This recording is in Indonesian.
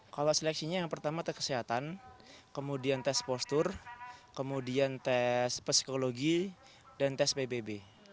kalau seleksinya yang pertama tes kesehatan kemudian tes postur kemudian tes psikologi dan tes pbb